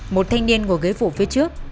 một thanh niên ngồi ghế phủ phía trước